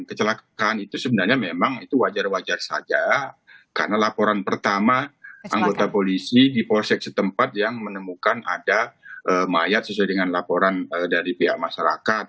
kecelakaan itu sebenarnya memang itu wajar wajar saja karena laporan pertama anggota polisi di polsek setempat yang menemukan ada mayat sesuai dengan laporan dari pihak masyarakat